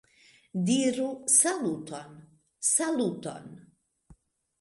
- Diru "Saluton"! - "Saluton"!